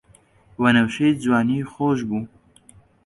وەنەوشەی جوانی خۆشبۆ